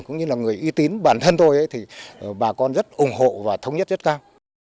cũng như là người uy tín bản thân tôi thì bà con rất ủng hộ và thống nhất rất cao